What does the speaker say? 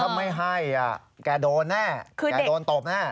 ถ้าไม่ให้แกโดนแน่แกโดนตบแน่